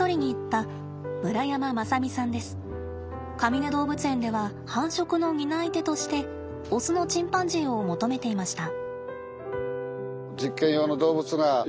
かみね動物園では繁殖の担い手としてオスのチンパンジーを求めていました。